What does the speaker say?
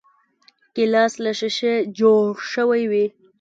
ګیلاس له شیشې جوړ شوی وي.